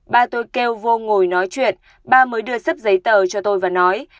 ba tôi kêu vô ngồi nói chuyện ba mới đưa sắp giấy tờ cho tôi và nói